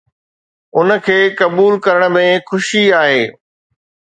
ان کي قبول ڪرڻ ۾ خوشي آهي.